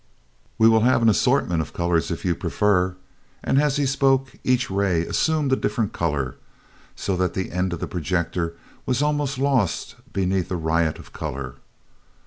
We will have an assortment of colors if you prefer," and as he spoke each ray assumed a different color, so that the end of the projector was almost lost beneath a riot of color.